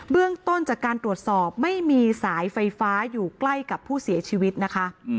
เรื่องต้นจากการตรวจสอบไม่มีสายไฟฟ้าอยู่ใกล้กับผู้เสียชีวิตนะคะ